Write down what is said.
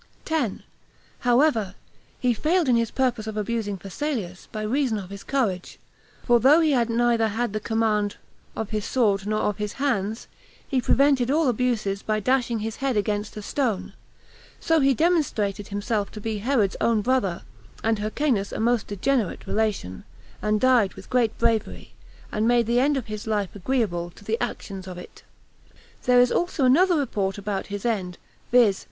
10. However, he failed in his purpose of abusing Phasaelus, by reason of his courage; for though he neither had the command of his sword nor of his hands, he prevented all abuses by dashing his head against a stone; so he demonstrated himself to be Herod's own brother, and Hyrcanus a most degenerate relation, and died with great bravery, and made the end of his life agreeable to the actions of it. There is also another report about his end, viz.